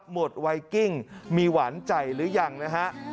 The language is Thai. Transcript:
หมดไวกิ้งมีหวานใจหรือยังนะฮะ